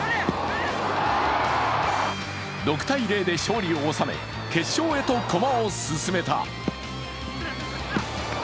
６−０で勝利を収め、決勝へと駒を進めた。